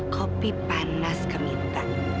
kopi panas kemintaan